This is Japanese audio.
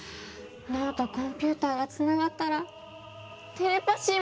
脳とコンピューターがつながったらテレパシーもできちゃったりして。